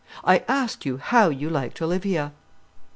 I asked you how you liked Olivia."